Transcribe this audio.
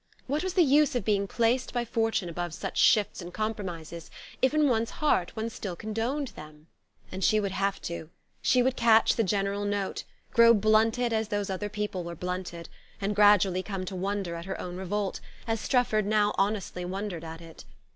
What was the use of being placed by fortune above such shifts and compromises, if in one's heart one still condoned them? And she would have to she would catch the general note, grow blunted as those other people were blunted, and gradually come to wonder at her own revolt, as Strefford now honestly wondered at it.